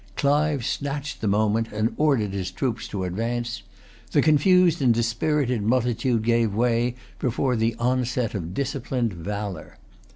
Clive snatched the moment, and ordered his troops to advance. The confused and dispirited multitude gave way before the onset of disciplined valour.